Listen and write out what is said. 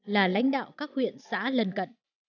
là lãnh đạo các huyện xã lân cận